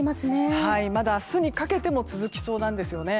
明日にかけても続きそうなんですよね。